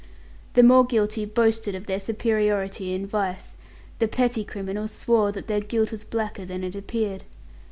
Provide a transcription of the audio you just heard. The more guilty boasted of their superiority in vice; the petty criminals swore that their guilt was blacker than it appeared.